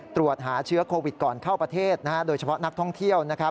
ตรวจหาเชื้อโควิดก่อนเข้าประเทศโดยเฉพาะนักท่องเที่ยว